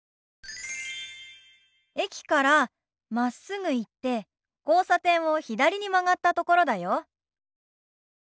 駅からまっすぐ行って交差点を左に曲がったところだよ。